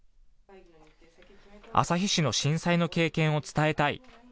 旭市の震災の経験を伝えたい。